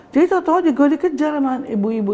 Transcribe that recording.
jadi gue dikejar sama ibu ibu